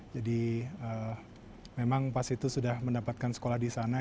jadi memang pas itu sudah mendapatkan sekolah di sana